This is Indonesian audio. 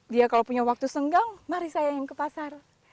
dia kalau punya waktu senggang mari saya yang ke pasar